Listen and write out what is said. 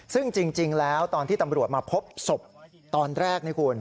ซึ่งจริงแล้วตอนที่ตำรวจมาพบศพตอนแรกนี่คุณ